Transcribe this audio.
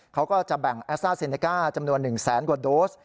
เขาก็จะแบ่งแอสต้าเซเนก้าจำนวน๑แสนกว่าโดส